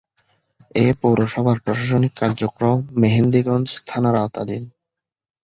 এ পৌরসভার প্রশাসনিক কার্যক্রম মেহেন্দিগঞ্জ থানার আওতাধীন।